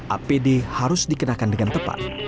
apd harus dikenakan dengan tepat